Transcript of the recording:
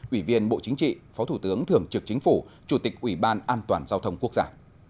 ủy viên bộ chính trị phó thủ tướng thường trực chính phủ chủ tịch ủy ban an toàn giao thông quốc gia